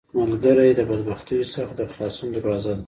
ملګری د بدبختیو څخه د خلاصون دروازه ده